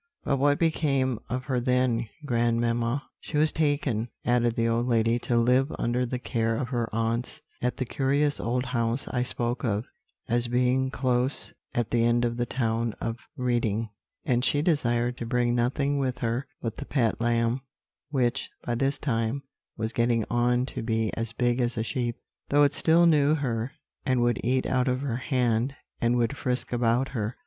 But what became of her then, grandmamma?" "She was taken," added the old lady, "to live under the care of her aunts, at the curious old house I spoke of as being close at the end of the town of Reading; and she desired to bring nothing with her but the pet lamb, which, by this time, was getting on to be as big as a sheep, though it still knew her, and would eat out of her hand, and would frisk about her.